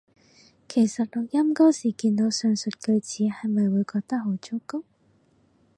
其實錄音嗰時見到上述句子係咪會覺得好糟糕？